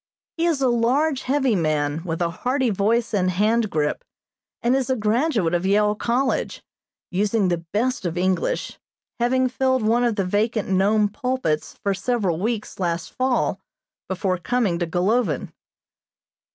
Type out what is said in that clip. He is a large, heavy man, with a hearty voice and hand grip, and is a graduate of Yale College, using the best of English, having filled one of the vacant Nome pulpits for several weeks last fall before coming to Golovin.